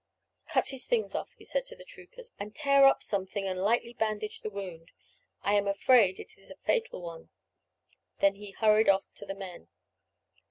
"Cut his things off," he said to the troopers, "and tear up something and lightly bandage the wound. I am afraid it is a fatal one." Then he hurried off to the men.